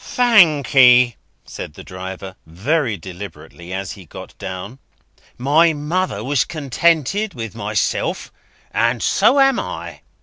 "Thankee," said the driver, very deliberately, as he got down; "my mother was contented with myself, and so am I.